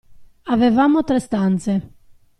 Avevamo tre stanze.